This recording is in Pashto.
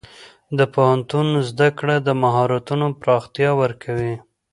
د پوهنتون زده کړه د مهارتونو پراختیا ورکوي.